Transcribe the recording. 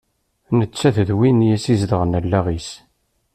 Nettat d win i as-izedɣen allaɣ-is.